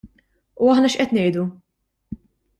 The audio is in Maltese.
U aħna x'qed ngħidu?